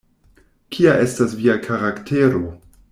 Kia estas via karaktero?